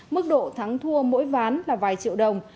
mức độ thắng thua mỗi ván là vài triệu đồng